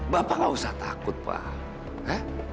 bapak gak usah takut pak